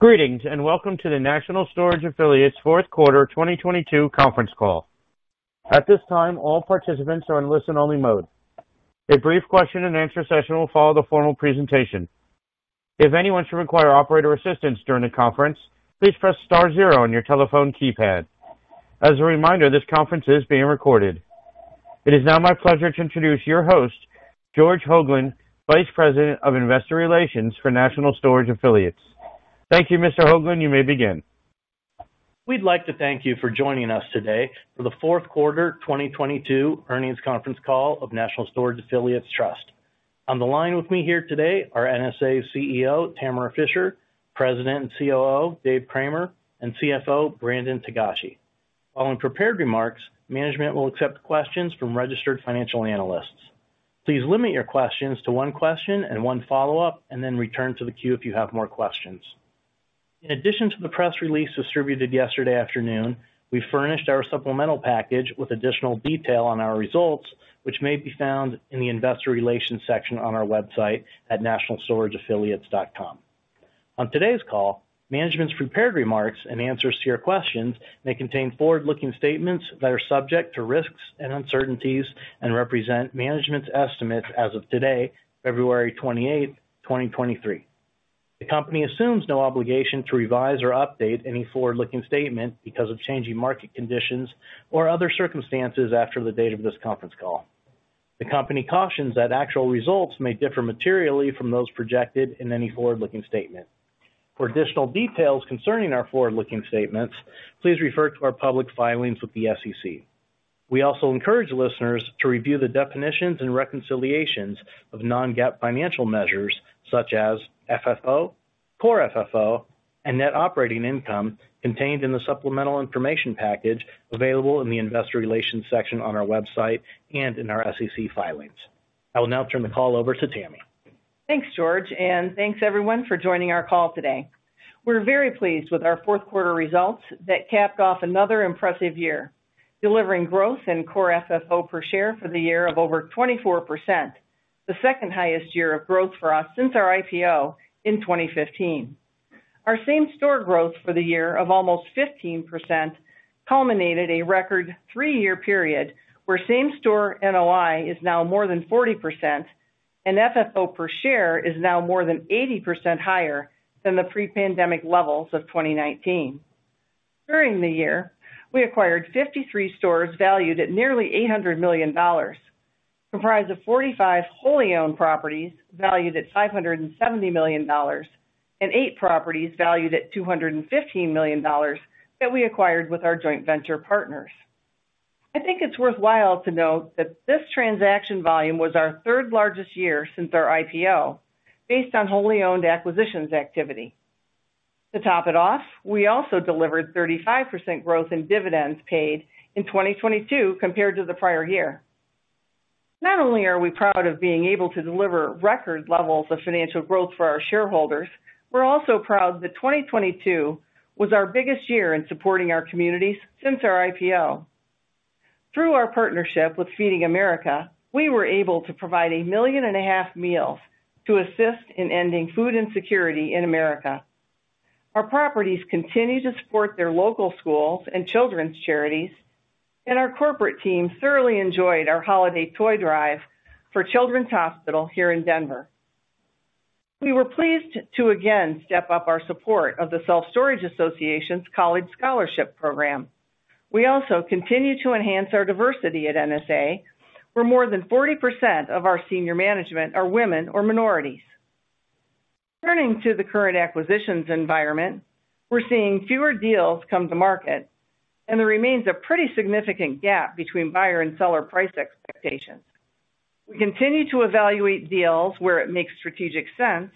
Greetings, welcome to the National Storage Affiliates’ Fourth Quarter 2022 Conference Call. At this time, all participants are in listen-only mode. A brief question and answer session will follow the formal presentation. If anyone should require operator assistance during the conference, please press star zero on your telephone keypad. As a reminder, this conference is being recorded. It is now my pleasure to introduce your host, George Hoglund, Vice President of Investor Relations for National Storage Affiliates. Thank you, Mr. Hoglund. You may begin. We'd like to thank you for joining us today for the Fourth Quarter 2022 Earnings Conference Call of National Storage Affiliates Trust. On the line with me here today are NSA CEO Tamara Fischer, President and COO David Cramer, and CFO Brandon Togashi. Following prepared remarks, management will accept questions from registered financial analysts. Please limit your questions to one question and one follow-up, then return to the queue if you have more questions. In addition to the press release distributed yesterday afternoon, we furnished our supplemental package with additional detail on our results, which may be found in the Investor Relations section on our website at nationalstorageaffiliates.com. On today's call, management's prepared remarks and answers to your questions may contain forward-looking statements that are subject to risks and uncertainties and represent management's estimates as of today, February 28, 2023. The company assumes no obligation to revise or update any forward-looking statement because of changing market conditions or other circumstances after the date of this conference call. The company cautions that actual results may differ materially from those projected in any forward-looking statement. For additional details concerning our forward-looking statements, please refer to our public filings with the SEC. We also encourage listeners to review the definitions and reconciliations of non-GAAP financial measures such as FFO, core FFO, and Net Operating Income contained in the supplemental information package available in the investor relations section on our website and in our SEC filings. I will now turn the call over to Tammy. Thanks, George, and thanks everyone for joining our call today. We're very pleased with our fourth quarter results that capped off another impressive year, delivering growth in core FFO per share for the year of over 24%, the second highest year of growth for us since our IPO in 2015. Our same-store growth for the year of almost 15% culminated a record three-year period where same-store NOI is now more than 40% and FFO per share is now more than 80% higher than the pre-pandemic levels of 2019. During the year, we acquired 53 stores valued at nearly $800 million, comprised of 45 wholly owned properties valued at $570 million and eight properties valued at $215 million that we acquired with our joint venture partners. I think it's worthwhile to note that this transaction volume was our third largest year since our IPO based on wholly owned acquisitions activity. To top it off, we also delivered 35% growth in dividends paid in 2022 compared to the prior year. Not only are we proud of being able to deliver record levels of financial growth for our shareholders, we're also proud that 2022 was our biggest year in supporting our communities since our IPO. Through our partnership with Feeding America, we were able to provide 1.5 million meals to assist in ending food insecurity in America. Our properties continue to support their local schools and children’s charities, and our corporate team thoroughly enjoyed our holiday toy drive for children’s hospital here in Denver. We were pleased to again step up our support of the Self Storage Association's College Scholarship Program. We also continue to enhance our diversity at NSA, where more than 40% of our senior management are women or minorities. Turning to the current acquisitions environment, we're seeing fewer deals come to market and there remains a pretty significant gap between buyer and seller price expectations. We continue to evaluate deals where it makes strategic sense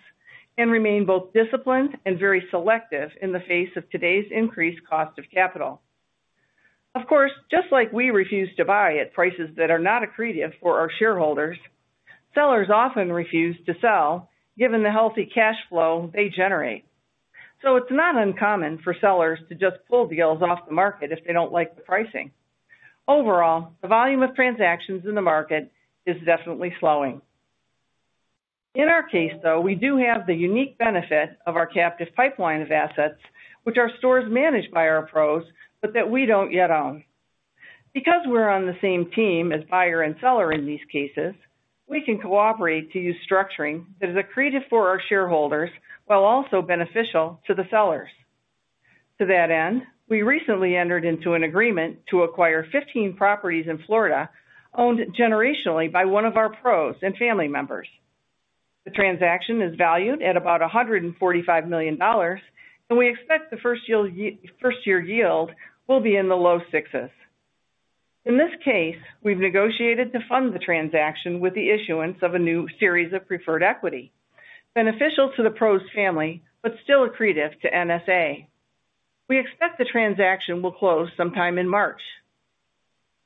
and remain both disciplined and very selective in the face of today's increased cost of capital. Of course, just like we refuse to buy at prices that are not accretive for our shareholders, sellers often refuse to sell given the healthy cash flow they generate. It's not uncommon for sellers to just pull deals off the market if they don't like the pricing. Overall, the volume of transactions in the market is definitely slowing. In our case, though, we do have the unique benefit of our captive pipeline of assets, which are stores managed by our PROs, but that we don't yet own. Because we're on the same team as buyer and seller in these cases, we can cooperate to use structuring that is accretive for our shareholders while also beneficial to the sellers. To that end, we recently entered into an agreement to acquire 15 properties in Florida owned generationally by one of our PROs and family members. The transaction is valued at about $145 million, and we expect the first year yield will be in the low sixes. In this case, we've negotiated to fund the transaction with the issuance of a new series of preferred equity, beneficial to the PRO's family, but still accretive to NSA. We expect the transaction will close sometime in March.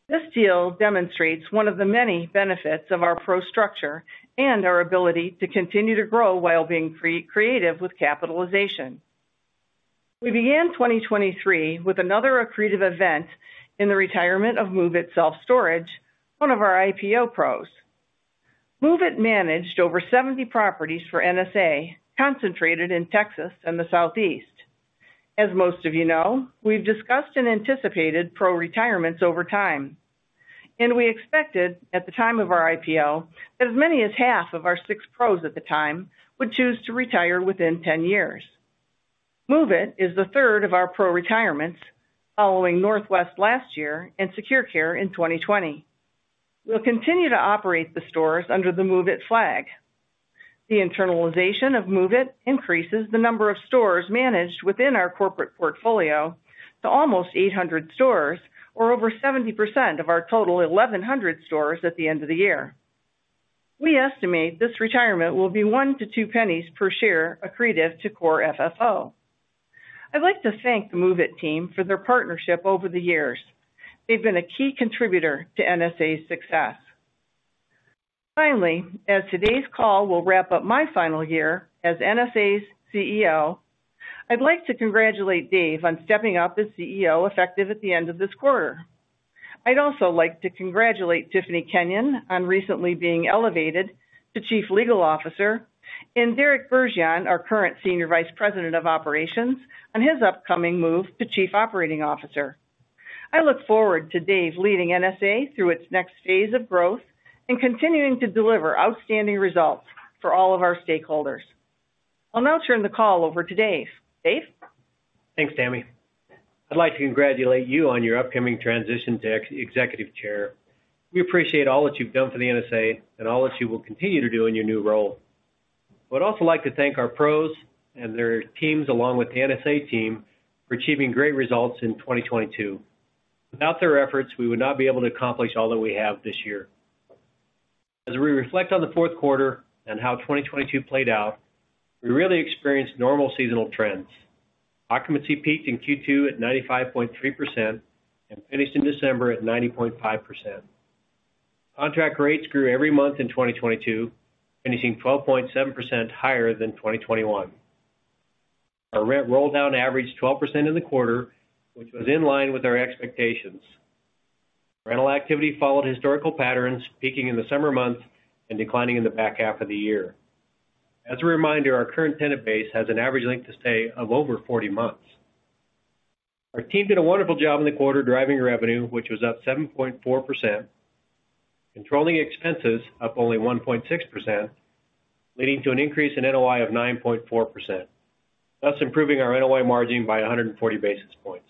This deal demonstrates one of the many benefits of our PRO structure and our ability to continue to grow while being creative with capitalization. We began 2023 with another accretive event in the retirement of Move It Self Storage, one of our IPO PROs. Move It managed over 70 properties for NSA, concentrated in Texas and the Southeast. As most of you know, we've discussed and anticipated PRO retirements over time. We expected, at the time of our IPO, as many as half of our six PROs at the time would choose to retire within 10 years. Move It is the third of our PRO retirements following Northwest last year and SecurCare in 2020. We'll continue to operate the stores under the Move It flag. The internalization of Move It increases the number of stores managed within our corporate portfolio to almost 800 stores, or over 70% of our total 1,100 stores at the end of the year. We estimate this retirement will be $0.01-$0.02 per share accretive to core FFO. I'd like to thank the Move It team for their partnership over the years. They've been a key contributor to NSA's success. Finally, as today's call will wrap up my final year as NSA's CEO, I'd like to congratulate Dave on stepping up as CEO effective at the end of this quarter. I'd also like to congratulate Tiffany Kenyon on recently being elevated to Chief Legal Officer, and Derek Bergeon, our current Senior Vice President of Operations, on his upcoming move to Chief Operating Officer. I look forward to Dave leading NSA through its next phase of growth and continuing to deliver outstanding results for all of our stakeholders. I'll now turn the call over to Dave. Dave? Thanks, Tammy. I'd like to congratulate you on your upcoming transition to Executive Chair. We appreciate all that you've done for the NSA and all that you will continue to do in your new role. I would also like to thank our PROs and their teams, along with the NSA team, for achieving great results in 2022. Without their efforts, we would not be able to accomplish all that we have this year. As we reflect on the fourth quarter and how 2022 played out, we really experienced normal seasonal trends. Occupancy peaked in Q2 at 95.3% and finished in December at 90.5%. Contract rates grew every month in 2022, finishing 12.7% higher than 2021. Our rent rolldown averaged 12% in the quarter, which was in line with our expectations. Rental activity followed historical patterns, peaking in the summer months and declining in the back half of the year. As a reminder, our current tenant base has an average length to stay of over 40 months. Our team did a wonderful job in the quarter, driving revenue, which was up 7.4%, controlling expenses up only 1.6%, leading to an increase in NOI of 9.4%, thus improving our NOI margin by 140 basis points.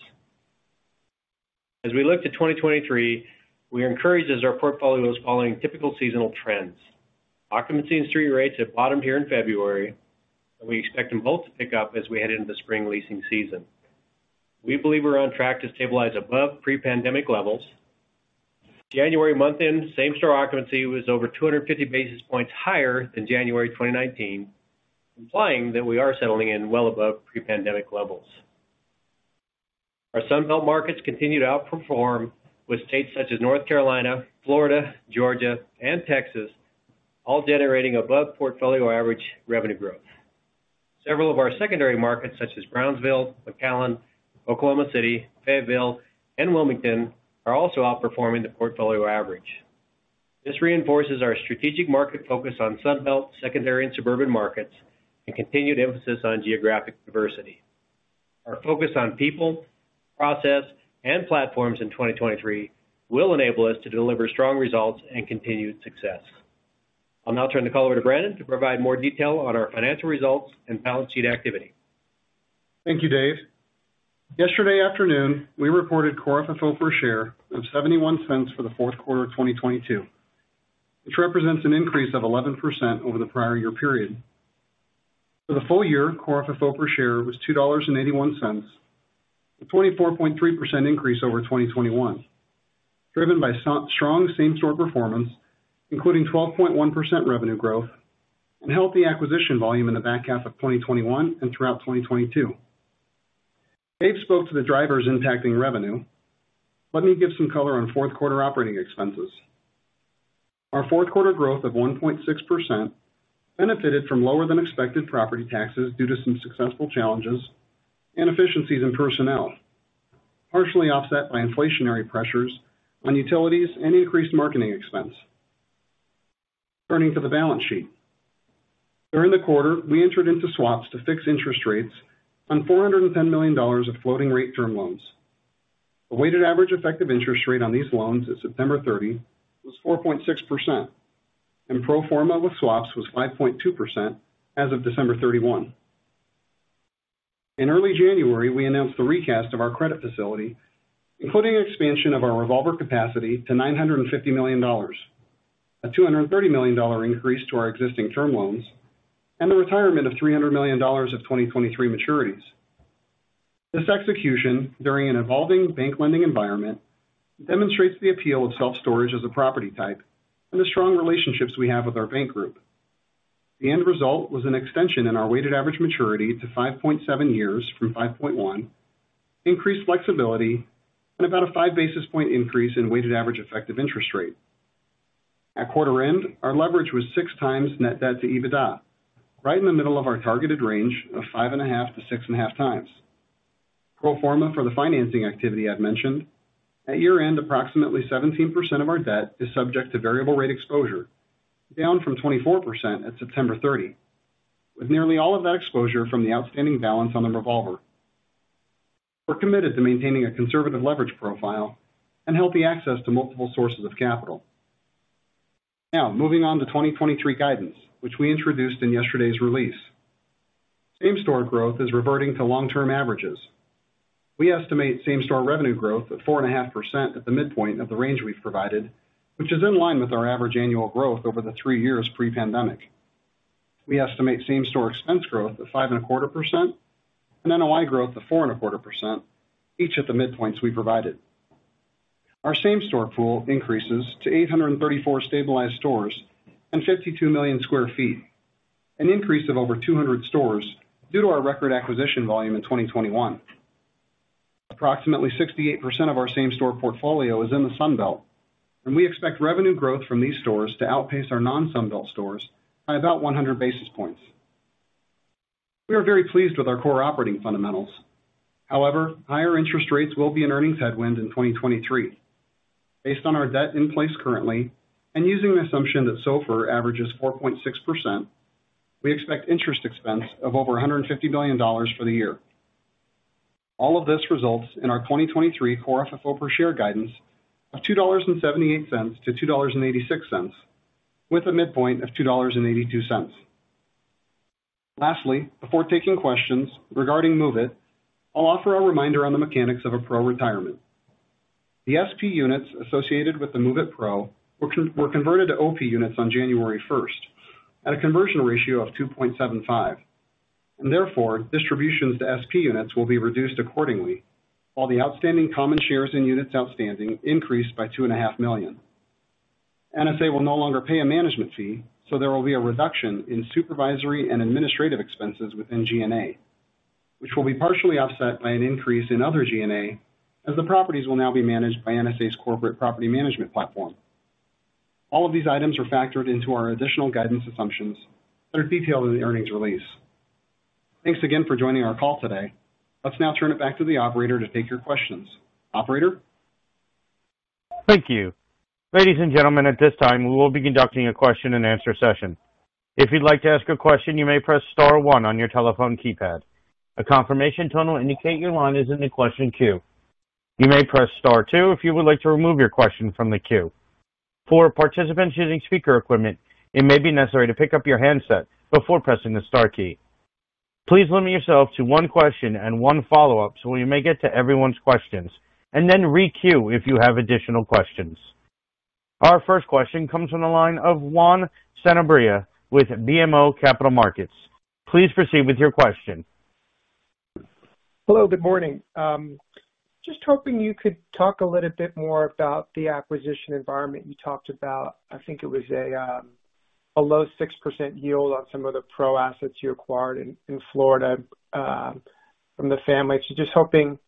As we look to 2023, we are encouraged as our portfolio is following typical seasonal trends. Occupancy and street rates have bottomed here in February, and we expect them both to pick up as we head into the spring leasing season. We believe we're on track to stabilize above pre-pandemic levels. January month-end same-store occupancy was over 250 basis points higher than January 2019, implying that we are settling in well above pre-pandemic levels. Our Sunbelt markets continued to outperform with states such as North Carolina, Florida, Georgia, and Texas all generating above portfolio average revenue growth. Several of our secondary markets, such as Brownsville, McAllen, Oklahoma City, Fayetteville, and Wilmington, are also outperforming the portfolio average. This reinforces our strategic market focus on Sunbelt secondary and suburban markets and continued emphasis on geographic diversity. Our focus on people, process, and platforms in 2023 will enable us to deliver strong results and continued success. I'll now turn the call over to Brandon to provide more detail on our financial results and balance sheet activity. Thank you, Dave. Yesterday afternoon, we reported core FFO per share of $0.71 for the fourth quarter of 2022, which represents an increase of 11% over the prior year period. For the full year, core FFO per share was $2.81, a 24.3% increase over 2021, driven by so-strong same-store performance, including 12.1% revenue growth and healthy acquisition volume in the back half of 2021 and throughout 2022. Dave spoke to the drivers impacting revenue. Let me give some color on fourth quarter operating expenses. Our fourth quarter growth of 1.6% benefited from lower than expected property taxes due to some successful challenges and efficiencies in personnel, partially offset by inflationary pressures on utilities and increased marketing expense. Turning to the balance sheet. During the quarter, we entered into swaps to fix interest rates on $410 million of floating rate term loans. The weighted average effective interest rate on these loans as September 30 was 4.6%, and pro forma with swaps was 5.2% as of December 31. In early January, we announced the recast of our credit facility, including expansion of our revolver capacity to $950 million, a $230 million increase to our existing term loans, and the retirement of $300 million of 2023 maturities. This execution during an evolving bank lending environment demonstrates the appeal of self-storage as a property type and the strong relationships we have with our bank group. The end result was an extension in our weighted average maturity to 5.7 years from 5.1, increased flexibility, and about a five basis point increase in weighted average effective interest rate. At quarter end, our leverage was 6x net debt to EBITDA, right in the middle of our targeted range of 5.5x-6.5x. Pro forma for the financing activity I've mentioned, at year-end, approximately 17% of our debt is subject to variable rate exposure, down from 24% at September 30, with nearly all of that exposure from the outstanding balance on the revolver. We're committed to maintaining a conservative leverage profile and healthy access to multiple sources of capital. Now, moving on to 2023 guidance, which we introduced in yesterday's release. Same-store growth is reverting to long-term averages. We estimate same-store revenue growth at 4.5% at the midpoint of the range we've provided, which is in line with our average annual growth over the three years pre-pandemic. We estimate same-store expense growth at 5.25% and NOI growth of 4.25%, each at the midpoints we provided. Our same-store pool increases to 834 stabilized stores and 52 million sq ft, an increase of over 200 stores due to our record acquisition volume in 2021. Approximately 68% of our same-store portfolio is in the Sun Belt, we expect revenue growth from these stores to outpace our non-Sun Belt stores by about 100 basis points. We are very pleased with our core operating fundamentals. However, higher interest rates will be an earnings headwind in 2023. Based on our debt in place currently and using an assumption that SOFR averages 4.6%, we expect interest expense of over $150 million for the year. All of this results in our 2023 core FFO per share guidance of $2.78-$2.86, with a midpoint of $2.82. Lastly, before taking questions regarding Move It, I'll offer a reminder on the mechanics of a PRO retirement. The SP units associated with the Move It PRO were converted to OP units on January first at a conversion ratio of 2.75, and therefore distributions to SP units will be reduced accordingly, while the outstanding common shares and units outstanding increase by 2.5 million. NSA will no longer pay a management fee. There will be a reduction in supervisory and administrative expenses within G&A, which will be partially offset by an increase in other G&A as the properties will now be managed by NSA's corporate property management platform. All of these items are factored into our additional guidance assumptions that are detailed in the earnings release. Thanks again for joining our call today. Let's now turn it back to the operator to take your questions. Operator? Thank you. Ladies and gentlemen, at this time, we will be conducting a question-and-answer session. If you'd like to ask a question, you may press star one on your telephone keypad. A confirmation tone will indicate your line is in the question queue. You may press star two if you would like to remove your question from the queue. For participants using speaker equipment, it may be necessary to pick up your handset before pressing the star key. Please limit yourself to one question and one follow-up so we may get to everyone's questions, and then re-queue if you have additional questions. Our first question comes from the line of Juan Sanabria with BMO Capital Markets. Please proceed with your question. Hello, good morning. Just hoping you could talk a little bit more about the acquisition environment you talked about. I think it was a low 6% yield on some of the PRO assets you acquired in Florida from the family. Just hoping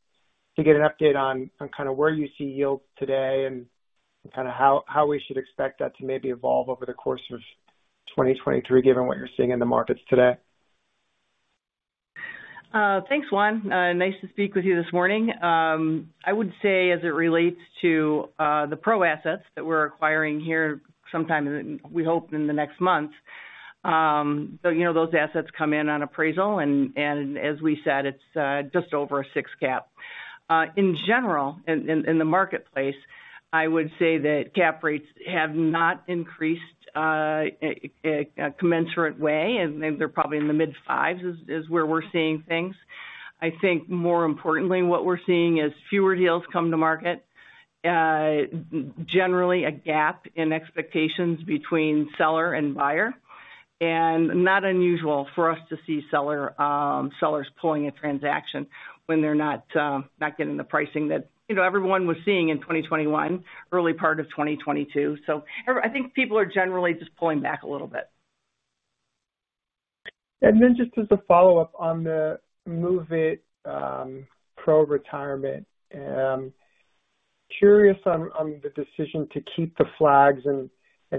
to get an update on kind of where you see yields today and kind of how we should expect that to maybe evolve over the course of 2023, given what you're seeing in the markets today. Thanks, Juan. Nice to speak with you this morning. I would say as it relates to the PRO assets that we're acquiring here sometime in, we hope in the next month, you know, those assets come in on appraisal, and as we said, it's just over a six cap. In general, in the marketplace, I would say that cap rates have not increased a commensurate way, and they're probably in the mid-fives is where we're seeing things. I think more importantly, what we're seeing is fewer deals come to market. Generally a gap in expectations between seller and buyer, and not unusual for us to see sellers pulling a transaction when they're not getting the pricing that, you know, everyone was seeing in 2021, early part of 2022. I think people are generally just pulling back a little bit. Just as a follow-up on the Move It PRO retirement, curious on the decision to keep the flags and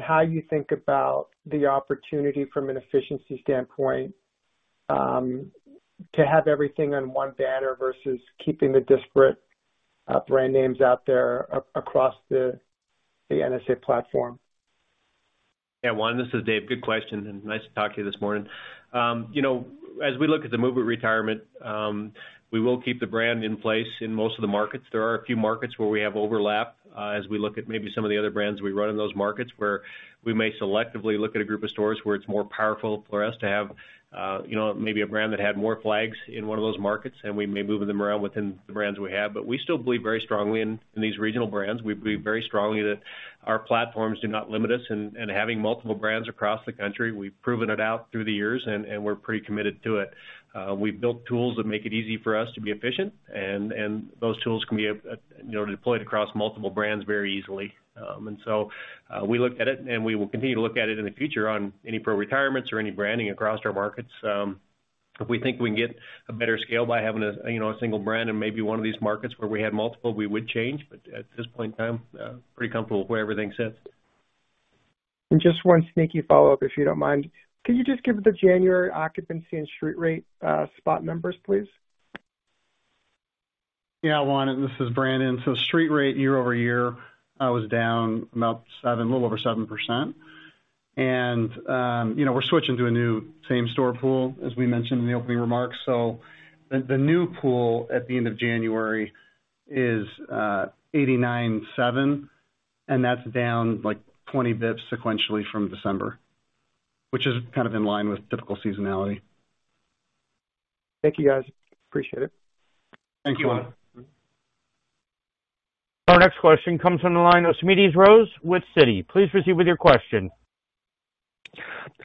how you think about the opportunity from an efficiency standpoint, to have everything on one banner versus keeping the disparate brand names out there across the NSA platform. Yeah, Juan, this is Dave. Good question, and nice to talk to you this morning. You know, as we look at the Move It retirement, we will keep the brand in place in most of the markets. There are a few markets where we have overlap, as we look at maybe some of the other brands we run in those markets, where we may selectively look at a group of stores where it's more powerful for us to have, you know, maybe a brand that had more flags in one of those markets, and we may move them around within the brands we have. We still believe very strongly in these regional brands. We believe very strongly that our platforms do not limit us in having multiple brands across the country. We've proven it out through the years, and we're pretty committed to it. We've built tools that make it easy for us to be efficient and those tools can be, you know, deployed across multiple brands very easily. We looked at it and we will continue to look at it in the future on any PRO retirements or any branding across our markets. We think we can get a better scale by having a, you know, a single brand in maybe one of these markets where we had multiple, we would change. At this point in time, pretty comfortable where everything sits. Just one sneaky follow-up, if you don't mind. Could you just give the January occupancy and street rate spot numbers, please? Yeah, Juan, and this is Brandon. Street rate year-over-year, was down about seven, a little over 7%. You know, we're switching to a new same store pool, as we mentioned in the opening remarks. The, the new pool at the end of January is 89.7, and that's down like 20 basis points sequentially from December, which is kind of in line with typical seasonality. Thank you guys. Appreciate it. Thank you. Our next question comes from the line of Smedes Rose with Citi. Please proceed with your question.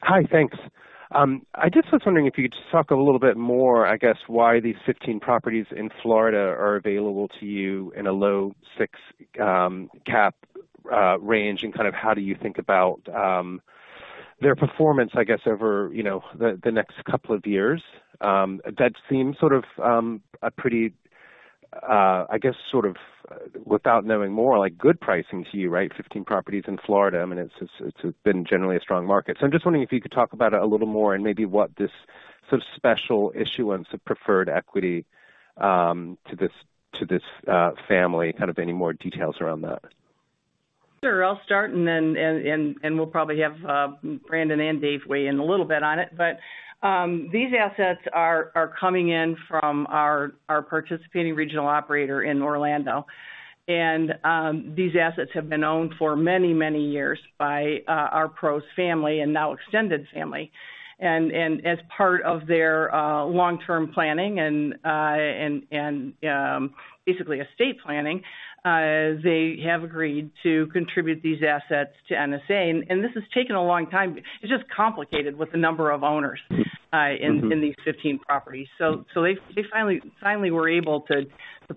Hi, thanks. I just was wondering if you could talk a little bit more, I guess, why these 15 properties in Florida are available to you in a low six cap range, and kind of how do you think about their performance, I guess, over the next couple of years. That seems sort of a pretty, I guess sort of, without knowing more, good pricing to you, right? 15 properties in Florida. It's been generally a strong market. I'm just wondering if you could talk about it a little more and maybe what this sort of special issuance of preferred equity to this, to this family, kind of any more details around that. Sure. I'll start. We'll probably have Brandon and Dave weigh in a little bit on it. These assets are coming in from our participating regional operator in Orlando. These assets have been owned for many years by our PRO's family and now extended family. As part of their long-term planning and basically estate planning, they have agreed to contribute these assets to NSA. This has taken a long time. It's just complicated with the number of owners in these 15 properties. They finally were able to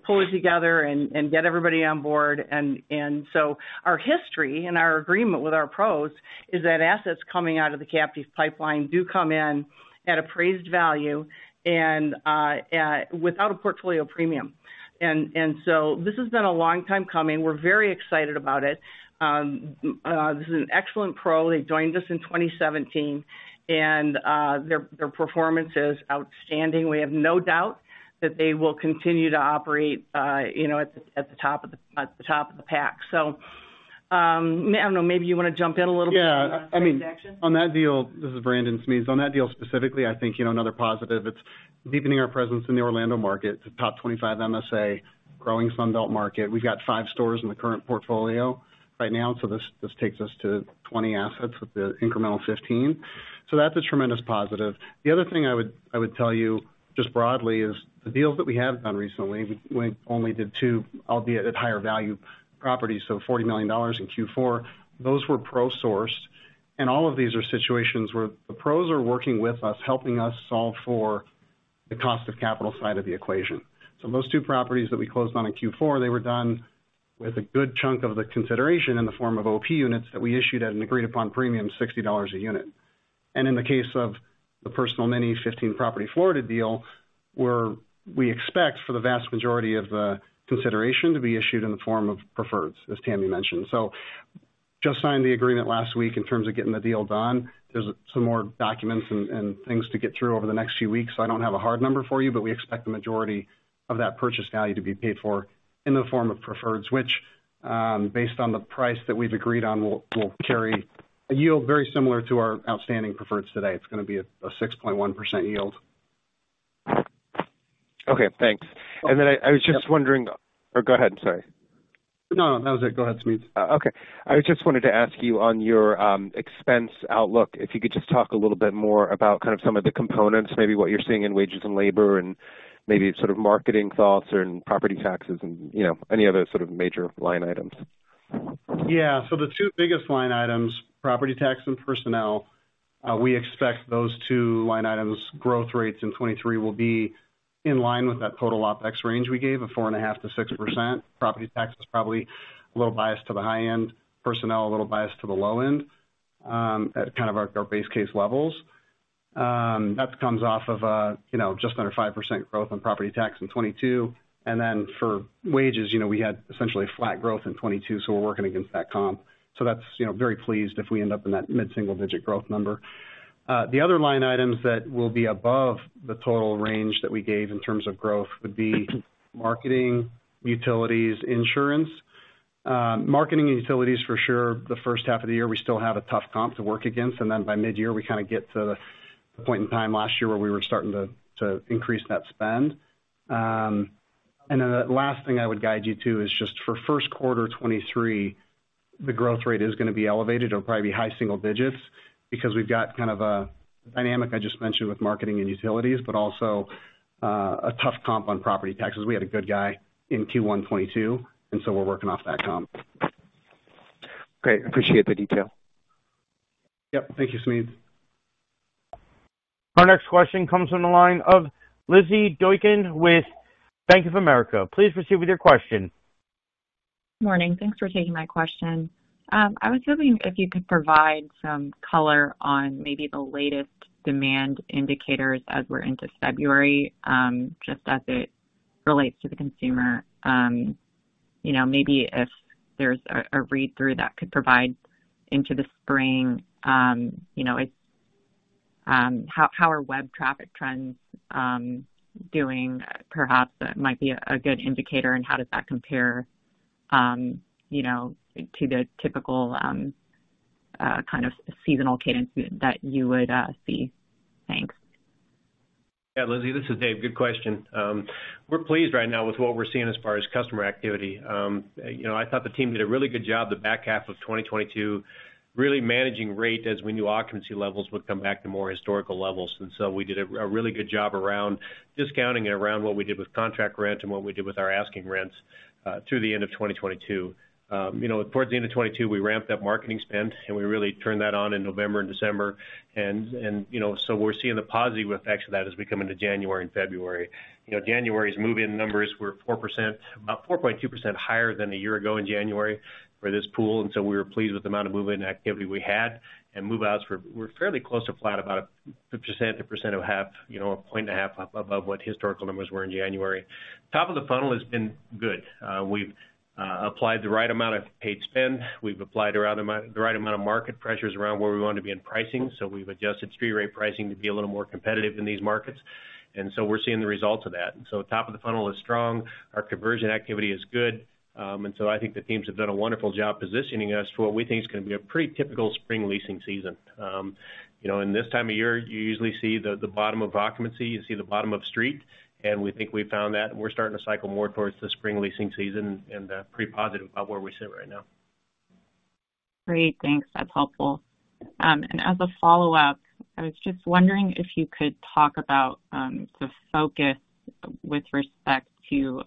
pull it together and get everybody on board. Our history and our agreement with our PROs is that assets coming out of the captive pipeline do come in at appraised value without a portfolio premium. This has been a long time coming. We're very excited about it. This is an excellent PRO. They joined us in 2017 and their performance is outstanding. We have no doubt that they will continue to operate, you know, at the top of the pack. I don't know, maybe you wanna jump in a little bit on that transaction. Yeah. I mean, on that deal. This is Brandon, Smedes. On that deal specifically, I think, you know, another positive, it's deepening our presence in the Orlando market. It's a top 25 MSA growing Sun Belt market. We've got five stores in the current portfolio right now, so this takes us to 20 assets with the incremental 15. That's a tremendous positive. The other thing I would tell you just broadly is the deals that we have done recently, we only did two, albeit at higher value properties, so $40 million in Q4, those were PRO-sourced. All of these are situations where the PROs are working with us, helping us solve for the cost of capital side of the equation. Those two properties that we closed on in Q4, they were done with a good chunk of the consideration in the form of OP units that we issued at an agreed upon premium, $60 a unit. In the case of the Personal Mini 15 property Florida deal, where we expect for the vast majority of the consideration to be issued in the form of preferreds, as Tammy mentioned. Just signed the agreement last week in terms of getting the deal done. There's some more documents and things to get through over the next few weeks. I don't have a hard number for you, but we expect the majority of that purchase value to be paid for in the form of preferreds, which, based on the price that we've agreed on, will carry a yield very similar to our outstanding preferreds today. It's gonna be a 6.1% yield. Okay, thanks. I was just wondering—Go ahead, sorry. No, that was it. Go ahead, Smedes. I just wanted to ask you on your expense outlook, if you could just talk a little bit more about kind of some of the components, maybe what you're seeing in wages and labor and maybe sort of marketing thoughts and property taxes and, you know, any other sort of major line items. The two biggest line items, property tax and personnel, we expect those two line items growth rates in 2023 will be in line with that total OpEx range we gave, a 4.5%-6%. Property tax is probably a little biased to the high end, personnel, a little biased to the low end, at kind of our base case levels. That comes off of, you know, just under 5% growth on property tax in 2022. For wages, you know, we had essentially flat growth in 2022, we're working against that comp. That's, you know, very pleased if we end up in that mid-single digit growth number. The other line items that will be above the total range that we gave in terms of growth would be marketing, utilities, insurance. Marketing and utilities for sure, the first half of the year, we still have a tough comp to work against, and then by mid-year we kinda get to the point in time last year where we were starting to increase net spend. The last thing I would guide you to is just for first quarter 2023, the growth rate is gonna be elevated. It'll probably be high single digits because we've got kind of a dynamic I just mentioned with marketing and utilities, but also a tough comp on property taxes. We had a good guy in Q1 2022, and so we're working off that comp. Great. Appreciate the detail. Yep. Thank you, Smedes. Our next question comes from the line of Lizzie Doykin with Bank of America. Please proceed with your question. Morning. Thanks for taking my question. I was wondering if you could provide some color on maybe the latest demand indicators as we're into February? Just as it relates to the consumer. You know, maybe if there's a read-through that could provide into the spring, you know, how are web traffic trends doing perhaps that might be a good indicator, and how does that compare, you know, to the typical kind of seasonal cadence that you would see? Thanks. Yeah, Lizzie, this is Dave. Good question. We're pleased right now with what we're seeing as far as customer activity. You know, I thought the team did a really good job the back half of 2022 really managing rate as we knew occupancy levels would come back to more historical levels. We did a really good job around discounting and around what we did with contract rent and what we did with our asking rents through the end of 2022. You know, towards the end of 2022, we ramped up marketing spend, and we really turned that on in November and December. You know, so we're seeing the positive effects of that as we come into January and February. You know, January's move-in numbers were 4%—about 4.2% higher than a year ago in January for this pool, we were pleased with the amount of move-in activity we had. Move-outs were fairly close to flat, about 1%-1.5%, you know, 1.5 points above what historical numbers were in January. Top of the funnel has been good. We've applied the right amount of paid spend. We've applied around the right amount of market pressures around where we want to be in pricing. We've adjusted street rate pricing to be a little more competitive in these markets. We're seeing the results of that. Top of the funnel is strong. Our conversion activity is good. I think the teams have done a wonderful job positioning us for what we think is gonna be a pretty typical spring leasing season. You know, in this time of year, you usually see the bottom of occupancy, you see the bottom of street, and we think we've found that, and we're starting to cycle more towards the spring leasing season and pretty positive about where we sit right now. Great. Thanks. That's helpful. As a follow-up, I was just wondering if you could talk about the focus with respect to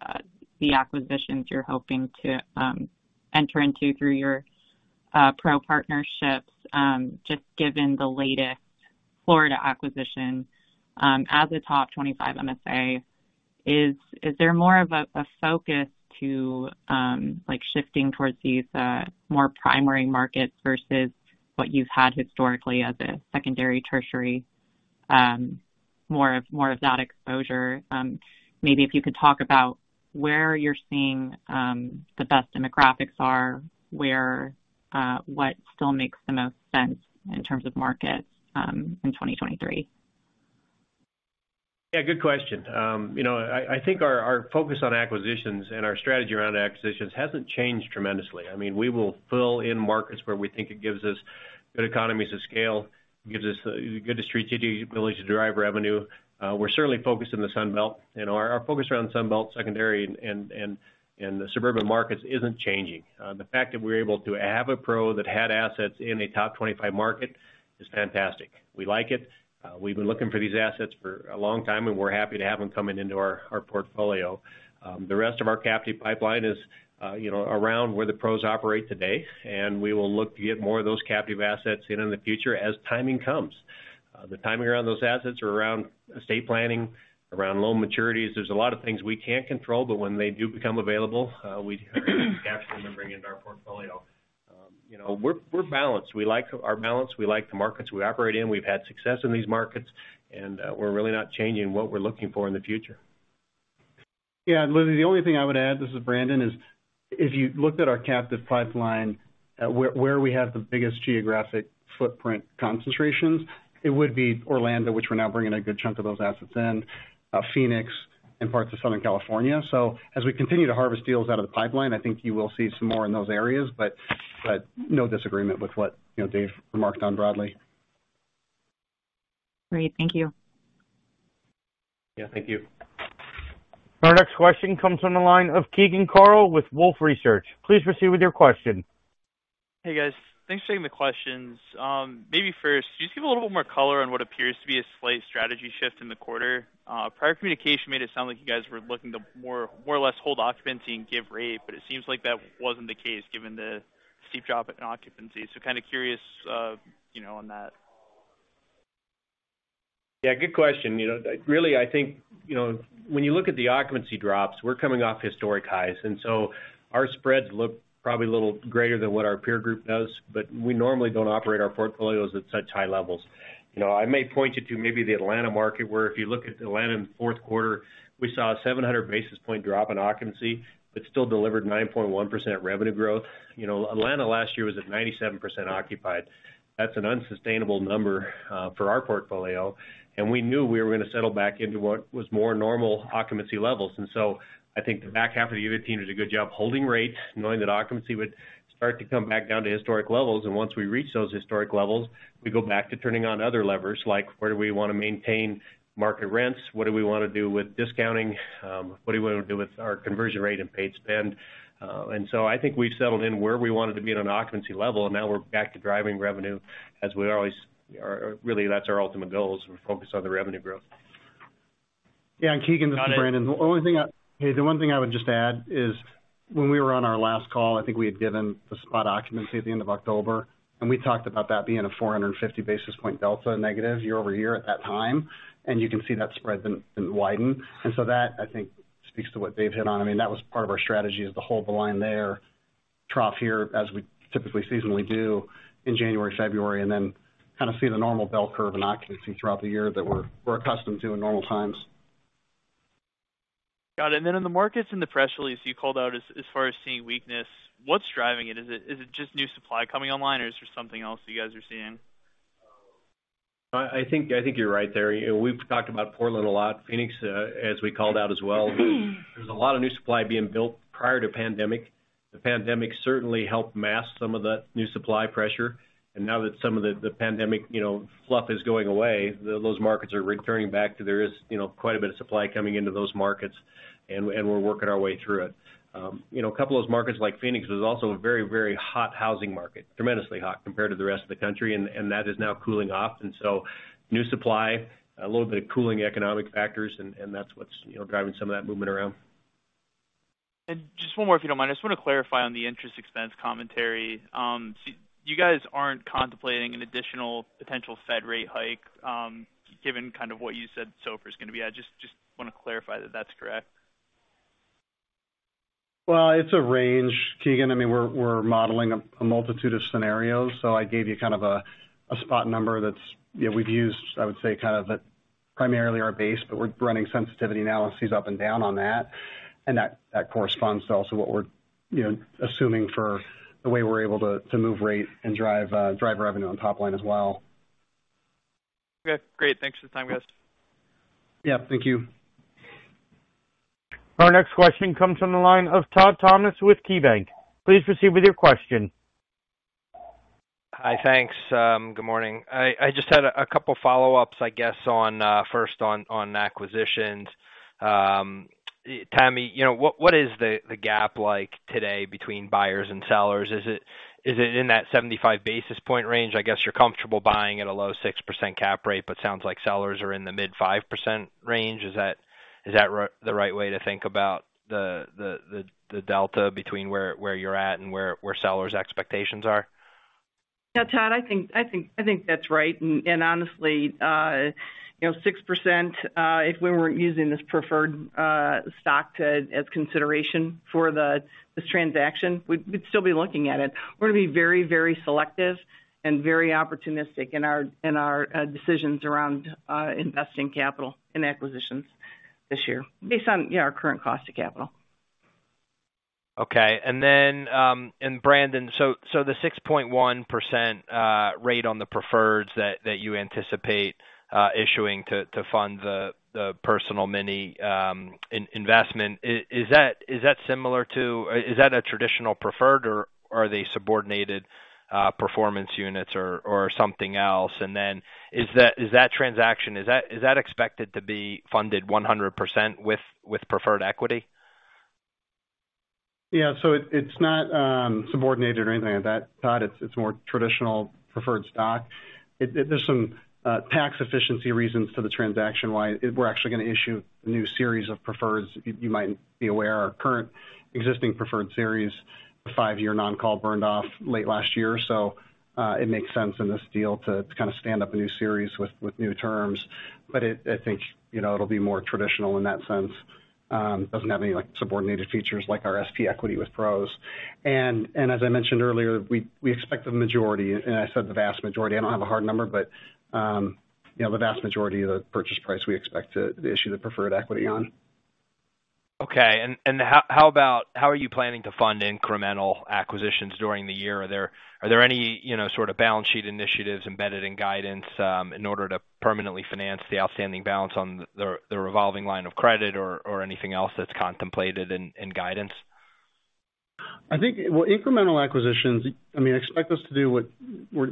the acquisitions you're hoping to enter into through your PRO partnerships, just given the latest Florida acquisition as a top 25 MSA. Is there more of a focus to like shifting towards these more primary markets versus what you've had historically as a secondary, tertiary, more of that exposure? Maybe if you could talk about where you're seeing the best demographics are, where—what still makes the most sense in terms of markets in 2023? Yeah, good question. you know, I think our focus on acquisitions and our strategy around acquisitions hasn't changed tremendously. I mean, we will fill in markets where we think it gives us good economies of scale, it gives us good distribution ability to drive revenue. We're certainly focused on the Sun Belt, and our focus around Sun Belt secondary and suburban markets isn't changing. The fact that we're able to have a PRO that had assets in a top 25 market is fantastic. We like it. We've been looking for these assets for a long time, and we're happy to have them coming into our portfolio. The rest of our captive pipeline is, you know, around where the PROs operate today, and we will look to get more of those captive assets in the future as timing comes. The timing around those assets are around estate planning, around loan maturities. There's a lot of things we can't control, but when they do become available, we'd capture them and bring into our portfolio. You know, we're balanced. We like our balance. We like the markets we operate in. We've had success in these markets, and we're really not changing what we're looking for in the future. Yeah, Lizzie, the only thing I would add, this is Brandon, is if you looked at our captive pipeline, where we have the biggest geographic footprint concentrations, it would be Orlando, which we're now bringing a good chunk of those assets in, Phoenix, and parts of Southern California. As we continue to harvest deals out of the pipeline, I think you will see some more in those areas, but no disagreement with what, you know, Dave remarked on broadly. Great. Thank you. Yeah. Thank you. Our next question comes from the line of Keegan Carl with Wolfe Research. Please proceed with your question. Hey, guys. Thanks for taking the questions. Maybe first, can you just give a little more color on what appears to be a slight strategy shift in the quarter? Prior communication made it sound like you guys were looking to more or less hold occupancy and give rate, but it seems like that wasn't the case given the steep drop in occupancy. Kind of curious, you know, on that. Yeah, good question. You know, really, I think, you know, when you look at the occupancy drops, we're coming off historic highs, and so our spreads look probably a little greater than what our peer group does, but we normally don't operate our portfolios at such high levels. You know, I may point you to maybe the Atlanta market, where if you look at Atlanta in the fourth quarter, we saw a 700 basis point drop in occupancy but still delivered 9.1% revenue growth. You know, Atlanta last year was at 97% occupied. That's an unsustainable number for our portfolio. We knew we were gonna settle back into what was more normal occupancy levels. I think the back half of the year, the team did a good job holding rates, knowing that occupancy would start to come back down to historic levels. Once we reach those historic levels, we go back to turning on other levers, like where do we wanna maintain market rents? What do we wanna do with discounting? What do we wanna do with our conversion rate and paid spend? I think we've settled in where we wanted to be at an occupancy level, and now we're back to driving revenue. Or really, that's our ultimate goal is we're focused on the revenue growth. Yeah, Keegan, this is Brandon. The one thing I would just add is when we were on our last call, I think we had given the spot occupancy at the end of October, and we talked about that being a 450 basis points delta negative year-over-year at that time. You can see that spread then widen. That, I think, speaks to what Dave hit on. I mean, that was part of our strategy is to hold the line there-trough here as we typically seasonally do in January, February, and then kind of see the normal bell curve in occupancy throughout the year that we're accustomed to in normal times. Got it. In the markets in the press release you called out as far as seeing weakness, what's driving it? Is it just new supply coming online, or is there something else you guys are seeing? I think you're right there. You know, we've talked about Portland a lot. Phoenix, as we called out as well. There's a lot of new supply being built prior to pandemic. The pandemic certainly helped mask some of that new supply pressure. Now that some of the pandemic, you know, fluff is going away, those markets are returning back to there is, you know, quite a bit of supply coming into those markets, and we're working our way through it. You know, a couple of those markets like Phoenix was also a very hot housing market, tremendously hot compared to the rest of the country, and that is now cooling off. New supply, a little bit of cooling economic factors, and that's what's, you know, driving some of that movement around. Just one more, if you don't mind. I just want to clarify on the interest expense commentary. You guys aren't contemplating an additional potential Fed rate hike, given kind of what you said SOFR is going to be at. Just want to clarify that that's correct? Well, it's a range, Keegan. I mean, we're modeling a multitude of scenarios. I gave you kind of a spot number that's. You know, we've used, I would say, kind of at primarily our base, but we're running sensitivity analyses up and down on that. That corresponds to also what we're, you know, assuming for the way we're able to move rate and drive revenue on top line as well. Okay, great. Thanks for the time, guys. Yeah, thank you. Our next question comes from the line of Todd Thomas with KeyBanc. Please proceed with your question. Hi. Thanks. Good morning. I just had a couple follow-ups, I guess, on first on acquisitions. Tammy, you know, what is the gap like today between buyers and sellers? Is it in that 75 basis point range? I guess you're comfortable buying at a low 6% cap rate, but sounds like sellers are in the mid 5% range. Is that the right way to think about the delta between where you're at and where sellers' expectations are? Yeah, Todd, I think that's right. Honestly, you know, 6%, if we weren't using this preferred stock as consideration for this transaction, we'd still be looking at it. We're gonna be very selective and very opportunistic in our decisions around investing capital in acquisitions this year based on, you know, our current cost of capital. Okay. Brandon, so the 6.1% rate on the preferred that you anticipate issuing to fund the Personal Mini investment, is that a traditional preferred or are they subordinated performance units or something else? Is that transaction expected to be funded 100% with preferred equity? Yeah. It's not subordinated or anything like that, Todd. It's more traditional preferred stock. There's some tax efficiency reasons to the transaction why we're actually gonna issue a new series of preferreds. You might be aware our current existing preferred series, the five-year non-call burned off late last year. It makes sense in this deal to kind of stand up a new series with new terms. It, I think, you know, it'll be more traditional in that sense. Doesn't have any, like, subordinated features like our SP equity with PROS. As I mentioned earlier, we expect the majority, and I said the vast majority, I don't have a hard number, but, you know, the vast majority of the purchase price we expect to issue the preferred equity on. Okay. How about how are you planning to fund incremental acquisitions during the year? Are there any, you know, sort of balance sheet initiatives embedded in guidance in order to permanently finance the outstanding balance on the revolving line of credit or anything else that's contemplated in guidance? Well, incremental acquisitions, I mean, expect us to do what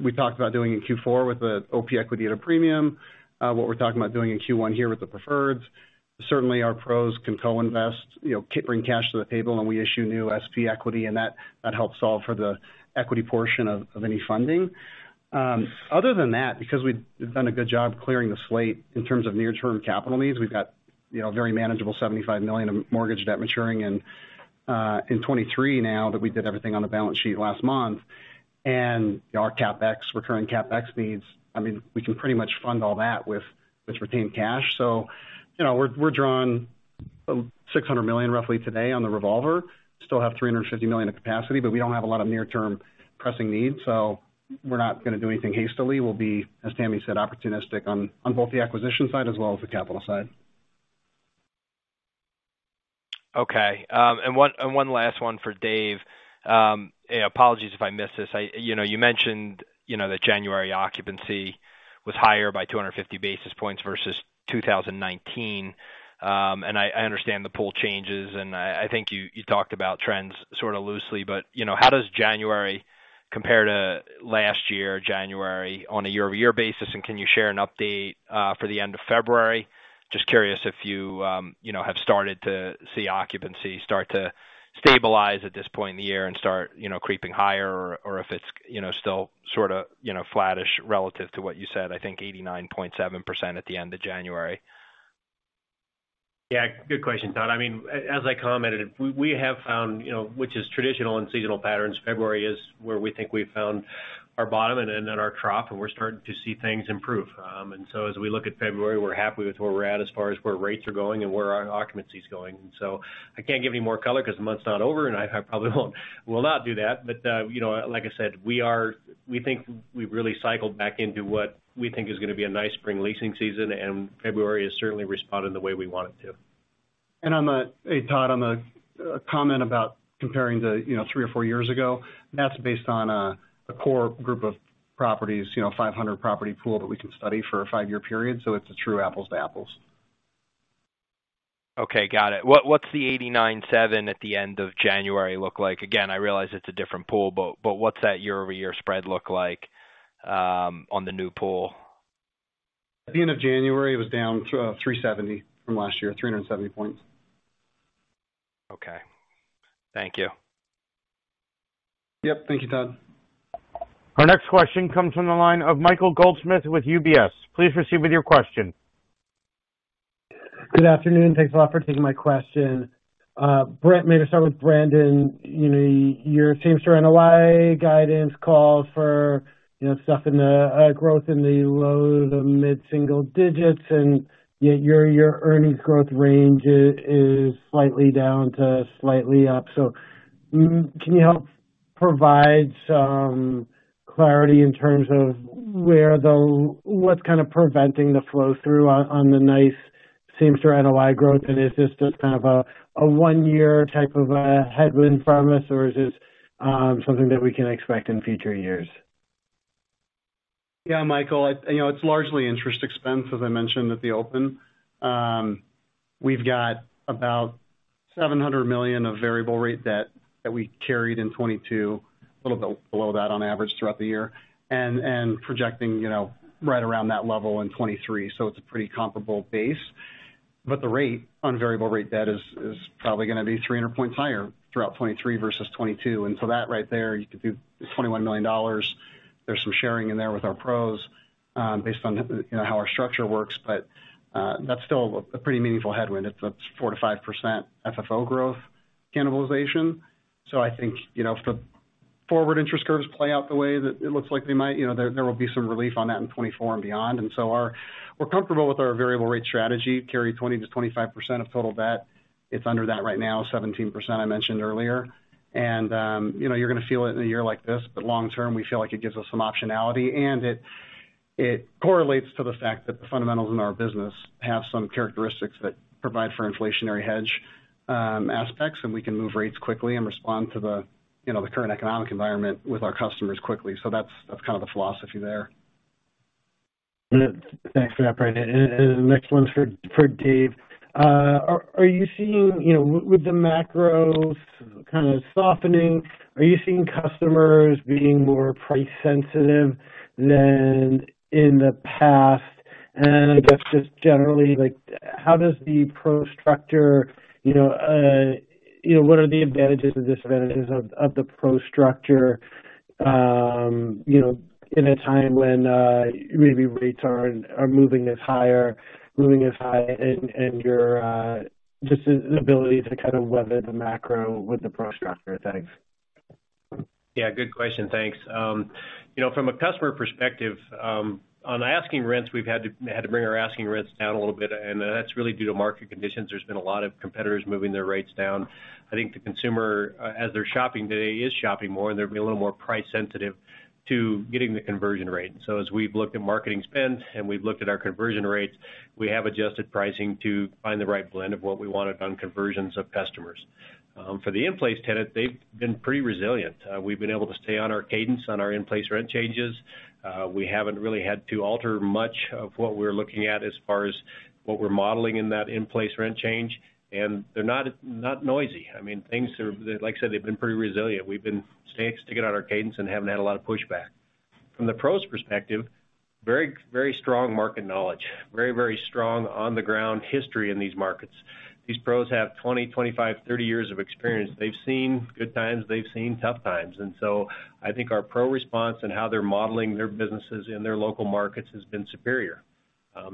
we talked about doing in Q4 with the OP equity at a premium. What we're talking about doing in Q1 here with the preferreds. Certainly, our PROs can co-invest, you know, keep bringing cash to the table and we issue new SP equity, and that helps solve for the equity portion of any funding. Other than that, because we've done a good job clearing the slate in terms of near-term capital needs, we've got, you know, a very manageable $75 million of mortgage debt maturing in 2023 now that we did everything on the balance sheet last month. Our CapEx, recurring CapEx needs, I mean, we can pretty much fund all that with retained cash. You know, we're drawing $600 million roughly today on the revolver. Still have $350 million of capacity, but we don't have a lot of near-term pressing needs, so we're not gonna do anything hastily. We'll be, as Tammy said, opportunistic on both the acquisition side as well as the capital side. Okay. One last one for Dave. Apologies if I missed this. You know, you mentioned, you know, that January occupancy was higher by 250 basis points versus 2019. I understand the pool changes, and I think you talked about trends sort of loosely. You know, how does January compare to last year January on a year-over-year basis? Can you share an update for the end of February? Just curious if you know, have started to see occupancy start to stabilize at this point in the year and start, you know, creeping higher or if it's, you know, still sorta, you know, flattish relative to what you said, I think 89.7% at the end of January. Yeah, good question, Todd. I mean, as I commented, we have found—you know, which is traditional in seasonal patterns, February is where we think we found Our bottom and then our trough, and we're starting to see things improve. As we look at February, we're happy with where we're at as far as where rates are going and where our occupancy is going. I can't give any more color 'cause the month's not over, and I probably will not do that. You know, like I said, we think we've really cycled back into what we think is gonna be a nice spring leasing season, and February has certainly responded the way we want it to. On a, hey, Todd, on a comment about comparing to, you know, three or four years ago, that's based on a core group of properties, you know, 500 property pool that we can study for a five-year period. It's a true apples to apples. Okay, got it. What's the 89.7 at the end of January look like? Again, I realize it's a different pool, but what's that year-over-year spread look like on the new pool? At the end of January, it was down 370 from last year, 370 points. Okay. Thank you. Yep. Thank you, Todd. Our next question comes from the line of Michael Goldsmith with UBS. Please proceed with your question. Good afternoon. Thanks a lot for taking my question. [Brett], maybe start with Brandon. You know, your same-store NOI guidance calls for, you know, stuff in the growth in the low to mid-single digits, and yet your earnings growth range is slightly down to slightly up. Can you help provide some clarity in terms of where—what's kind of preventing the flow through on the nice same-store NOI growth? Is this just kind of a one-year type of a headwind from us, or is this something that we can expect in future years? Yeah, Michael, you know, it's largely interest expense, as I mentioned at the open. We've got about $700 million of variable rate debt that we carried in 2022, a little bit below that on average throughout the year. Projecting, you know, right around that level in 2023. It's a pretty comparable base. The rate on variable rate debt is probably gonna be 300 points higher throughout 2023 versus 2022. That right there, you could do $21 million. There's some sharing in there with our PROs, based on, you know, how our structure works, but that's still a pretty meaningful headwind. It's a 4%-5% FFO growth cannibalization. I think, you know, if the forward interest curves play out the way that it looks like they might, you know, there will be some relief on that in 2024 and beyond. Our we're comfortable with our variable rate strategy, carry 20%-25% of total debt. It's under that right now, 17% I mentioned earlier. You know, you're gonna feel it in a year like this, but long term, we feel like it gives us some optionality. It correlates to the fact that the fundamentals in our business have some characteristics that provide for inflationary hedge aspects, and we can move rates quickly and respond to the, you know, the current economic environment with our customers quickly. That's kind of the philosophy there. Thanks for that, Brandon. The next one's for Dave. Are you seeing, you know, with the macros kind of softening, are you seeing customers being more price sensitive than in the past? I guess just generally, like, how does the PRO structure, you know, what are the advantages and disadvantages of the PRO structure, you know, in a time when maybe rates are moving as higher, moving as high and your just the ability to kind of weather the macro with the PRO structure. Thanks. Yeah, good question. Thanks. You know, from a customer perspective, on asking rents, we've had to bring our asking rents down a little bit. That's really due to market conditions. There's been a lot of competitors moving their rates down. I think the consumer, as they're shopping today, is shopping more. They're being a little more price sensitive to getting the conversion rate. As we've looked at marketing spend and we've looked at our conversion rates, we have adjusted pricing to find the right blend of what we wanted on conversions of customers. For the in-place tenant, they've been pretty resilient. We've been able to stay on our cadence on our in-place rent changes. We haven't really had to alter much of what we're looking at as far as what we're modeling in that in-place rent change. They're not noisy. I mean, things are, like I said, they've been pretty resilient. We've been sticking on our cadence and haven't had a lot of pushback. From the PRO's perspective, very strong market knowledge. Very strong on-the-ground history in these markets. These PROs have 20, 25, 30 years of experience. They've seen good times, they've seen tough times. I think our PRO response and how they're modeling their businesses in their local markets has been superior.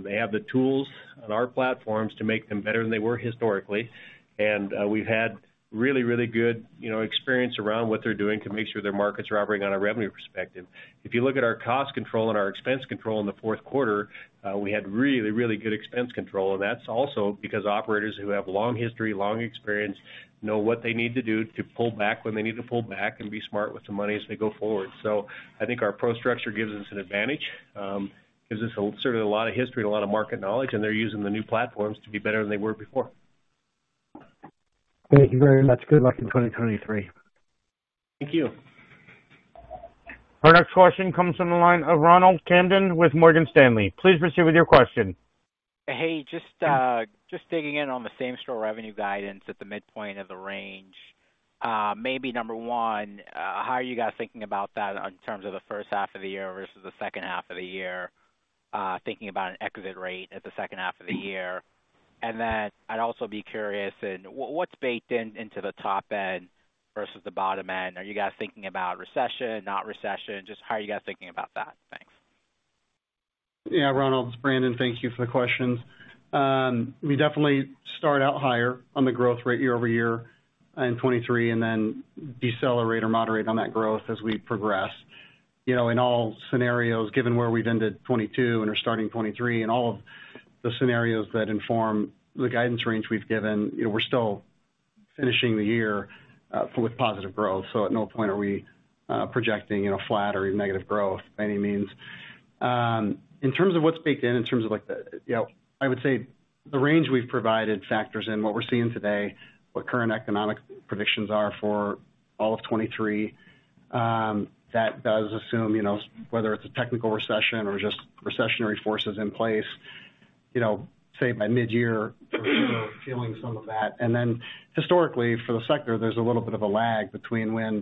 They have the tools on our platforms to make them better than they were historically. We've had really good, you know, experience around what they're doing to make sure their market's operating on a revenue perspective. If you look at our cost control and our expense control in the fourth quarter, we had really good expense control, and that's also because operators who have long history, long experience, know what they need to do to pull back when they need to pull back and be smart with the money as they go forward. I think our PRO structure gives us an advantage, gives us a—certainly a lot of history and a lot of market knowledge, and they're using the new platforms to be better than they were before. Thank you very much. Good luck in 2023. Thank you. Our next question comes from the line of Ronald Kamdem with Morgan Stanley. Please proceed with your question. Hey, just digging in on the same-store revenue guidance at the midpoint of the range. Maybe number one, how are you guys thinking about that in terms of the first half of the year versus the second half of the year, thinking about an exit rate at the second half of the year? Then I'd also be curious in what's baked in, into the top end versus the bottom end. Are you guys thinking about recession, not recession? Just how are you guys thinking about that? Ronald, it's Brandon. Thank you for the questions. We definitely start out higher on the growth rate year-over-year in 2023, and then decelerate or moderate on that growth as we progress. You know, in all scenarios, given where we've ended 2022 and are starting 2023, and all of the scenarios that inform the guidance range we've given, you know, we're still finishing the year with positive growth. At no point are we projecting, you know, flat or even negative growth by any means. In terms of what's baked in terms of like the. You know, I would say the range we've provided factors in what we're seeing today, what current economic predictions are for all of 2023, that does assume, you know, whether it's a technical recession or just recessionary forces in place, you know, say by mid-year we're feeling some of that. Historically, for the sector, there's a little bit of a lag between when,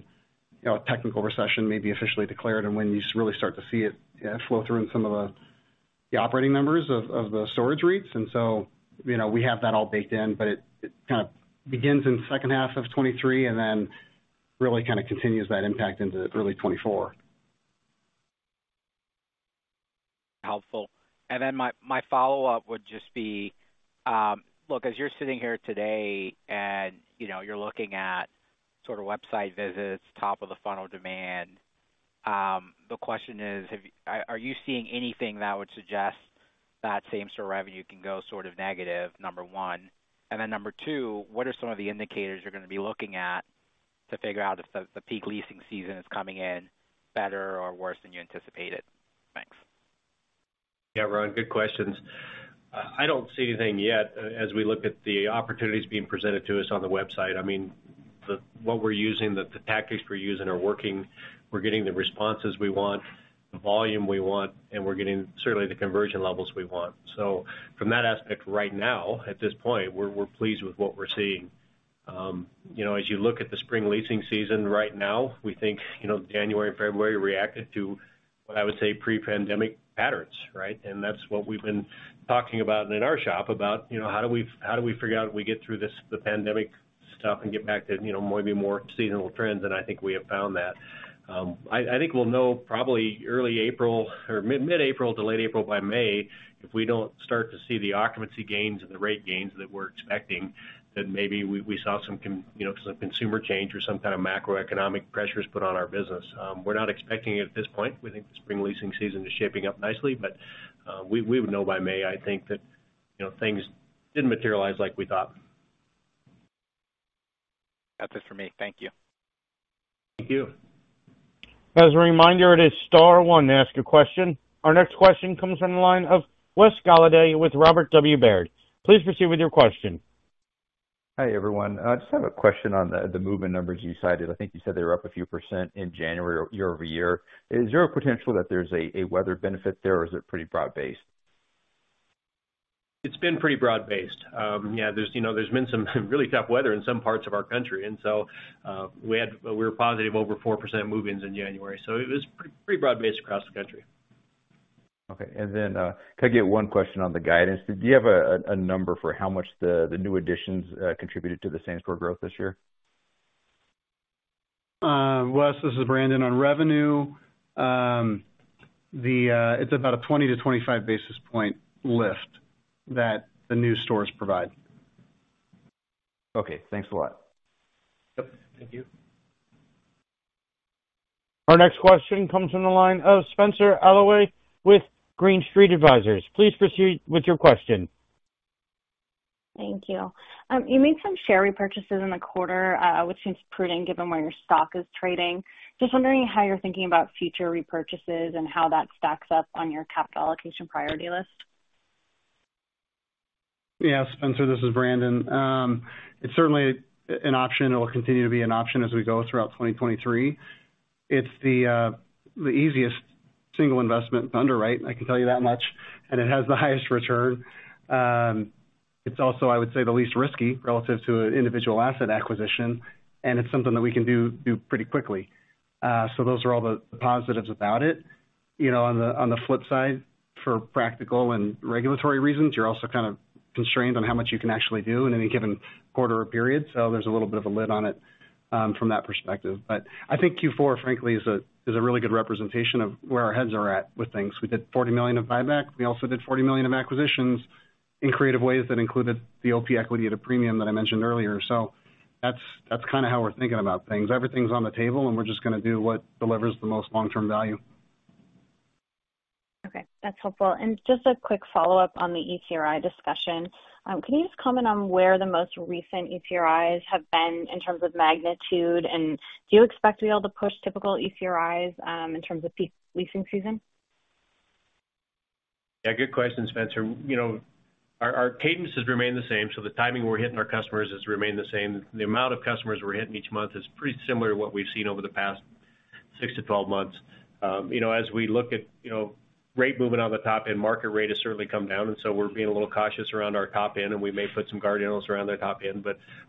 you know, a technical recession may be officially declared and when you really start to see it flow through in some of the operating numbers of the storage REITs. You know, we have that all baked in, but it kind of begins in second half of 2023 and then really kind of continues that impact into early 2024. Helpful. My follow-up would just be, look, as you're sitting here today and, you know, you're looking at sort of website visits, top of the funnel demand, the question is, are you seeing anything that would suggest that same-store revenue can go sort of negative, number one? Number two, what are some of the indicators you're gonna be looking at to figure out if the peak leasing season is coming in better or worse than you anticipated? Thanks. Yeah, Ron, good questions. I don't see anything yet as we look at the opportunities being presented to us on the website. I mean, the tactics we're using are working. We're getting the responses we want, the volume we want, and we're getting certainly the conversion levels we want. From that aspect right now, at this point, we're pleased with what we're seeing. You know, as you look at the spring leasing season right now, we think, you know, January and February reacted to what I would say pre-pandemic patterns, right? That's what we've been talking about in our shop about, you know, how do we figure out we get through this, the pandemic stuff and get back to, you know, more, maybe more seasonal trends, and I think we have found that. I think we'll know probably early April or mid-April to late April, by May, if we don't start to see the occupancy gains and the rate gains that we're expecting, that maybe we saw some consumer change or some kind of macroeconomic pressures put on our business. We're not expecting it at this point. We think the spring leasing season is shaping up nicely, but we would know by May, I think, that, you know, things didn't materialize like we thought. That's it for me. Thank you. Thank you. As a reminder, it is star one to ask a question. Our next question comes from the line of Wes Golladay with Robert W. Baird. Please proceed with your question. Hi, everyone. Just have a question on the move-in numbers you cited. I think you said they were up a few percent in January year-over-year. Is there a potential that there's a weather benefit there or is it pretty broad-based? It's been pretty broad-based. Yeah, there's, you know, there's been some really tough weather in some parts of our country. We were positive over 4% move-ins in January, so it was pretty broad-based across the country. Okay. Could I get one question on the guidance? Do you have a number for how much the new additions contributed to the same-store growth this year? Wes, this is Brandon. On revenue, it's about a 20–25 basis point lift that the new stores provide. Okay. Thanks a lot. Yep. Thank you. Our next question comes from the line of Spenser Allaway with Green Street Advisors. Please proceed with your question. Thank you. You made some share repurchases in the quarter, which seems prudent given where your stock is trading. Just wondering how you're thinking about future repurchases and how that stacks up on your capital allocation priority list. Yeah, Spenser, this is Brandon. It's certainly an option. It will continue to be an option as we go throughout 2023. It's the easiest single investment to underwrite, I can tell you that much, and it has the highest return. It's also, I would say, the least risky relative to an individual asset acquisition, and it's something that we can do pretty quickly. Those are all the positives about it. You know, on the flip side, for practical and regulatory reasons, you're also kind of constrained on how much you can actually do in any given quarter or period. There's a little bit of a lid on it from that perspective. I think Q4, frankly, is a really good representation of where our heads are at with things. We did $40 million of buyback. We also did $40 million of acquisitions in creative ways that included the OP equity at a premium that I mentioned earlier. That's kind of how we're thinking about things. Everything's on the table. We're just going to do what delivers the most long-term value. Okay, that's helpful. Just a quick follow-up on the ECRI discussion. Can you just comment on where the most recent ECRIs have been in terms of magnitude? Do you expect to be able to push typical ECRIs in terms of pre-leasing season? Yeah, good question, Spenser. You know, our cadence has remained the same, so the timing we're hitting our customers has remained the same. The amount of customers we're hitting each month is pretty similar to what we've seen over the past six to 12 months. You know, as we look at, you know, rate movement on the top end, market rate has certainly come down, we're being a little cautious around our top end, and we may put some guardrails around the top end.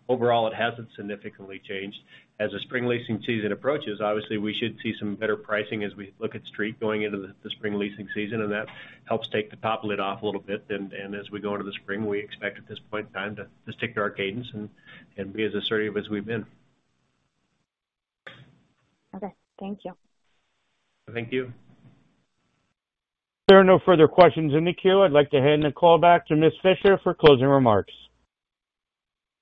Overall, it hasn't significantly changed. As the spring leasing season approaches, obviously, we should see some better pricing as we look at street going into the spring leasing season, that helps take the top lid off a little bit. As we go into the spring, we expect at this point in time to stick to our cadence and be as assertive as we've been. Okay. Thank you. Thank you. If there are no further questions in the queue, I'd like to hand the call back to Ms. Fischer for closing remarks.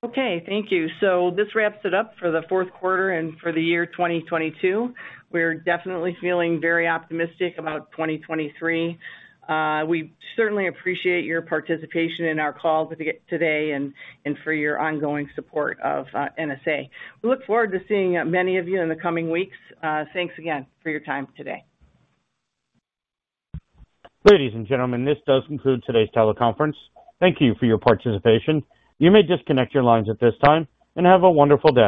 Okay. Thank you. This wraps it up for the fourth quarter and for the year 2022. We're definitely feeling very optimistic about 2023. We certainly appreciate your participation in our call today and for your ongoing support of NSA. We look forward to seeing many of you in the coming weeks. Thanks again for your time today. Ladies and gentlemen, this does conclude today's teleconference. Thank you for your participation. You may disconnect your lines at this time. Have a wonderful day.